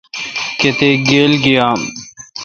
کتیک گیل گییام۔